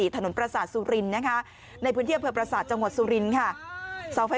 ๒๑๔ถนนประศาสตรีสุรินทร์นะฮะในพื้นเที่ยวเผยประศาสตร์จังหวัดสุรินทร์ค่ะ